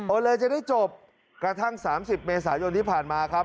เลยจะได้จบกระทั่ง๓๐เมษายนที่ผ่านมาครับ